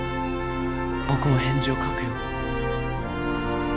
．僕も返事を書くよ。